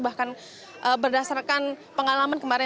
bahkan berdasarkan pengalaman kemarin